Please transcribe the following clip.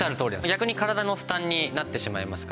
逆に体の負担になってしまいますから。